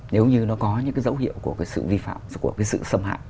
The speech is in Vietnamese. nếu như nó có những cái dấu hiệu của cái sự vi phạm của cái sự xâm hại